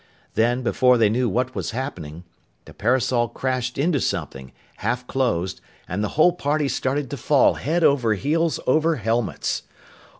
Then, before they knew what was happening, the parasol crashed into something, half closed, and the whole party started to fall head over heels over helmets.